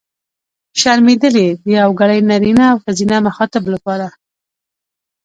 شرمېدلې! د یوګړي نرينه او ښځينه مخاطب لپاره.